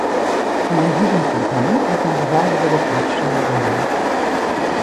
Um ein Visum zu bekommen, muss man diverse bürokratische Hürden nehmen.